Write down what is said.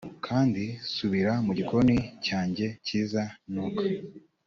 kandi subira mu gikoni cyanjye cyiza nook